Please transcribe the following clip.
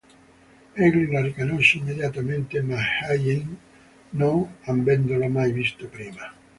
Egli la riconosce immediatamente, ma Hye-in no, non avendolo mai visto prima.